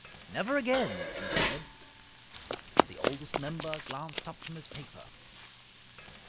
"Never again!" he said. The Oldest Member glanced up from his paper.